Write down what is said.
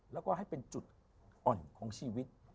แล้วก็ให้เป็นจุดอ่อนของชีวิต